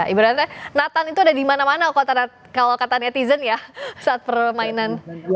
ibu ranta nathan itu ada di mana mana kalau katanya tizen ya saat permainan